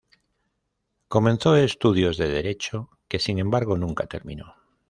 Comenzó estudios de Derecho, que sin embargo nunca terminó.